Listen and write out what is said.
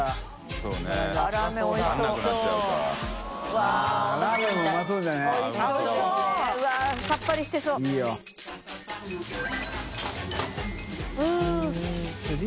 うわぁさっぱりしてそういいよ。